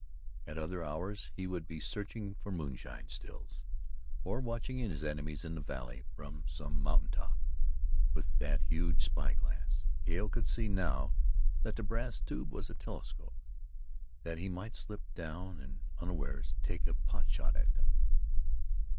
At other hours he would be searching for moonshine stills, or watching his enemies in the valley from some mountain top, with that huge spy glass Hale could see now that the brass tube was a telescope that he might slip down and unawares take a pot shot at them.